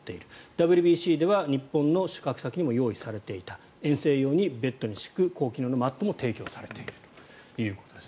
ＷＢＣでは日本の宿泊先にも用意されていた遠征用にベッドに敷く高機能マットも提供されているということです。